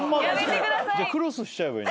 クロスしちゃえばいい。